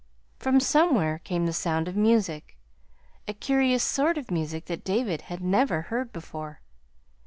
From somewhere came the sound of music a curious sort of music that David had never heard before.